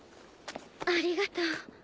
ありがとう。